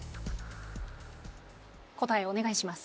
答えお願いします。